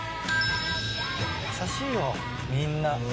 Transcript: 優しいみんな。